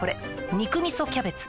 「肉みそキャベツ」